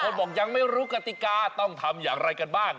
บอกยังไม่รู้กติกาต้องทำอย่างไรกันบ้าง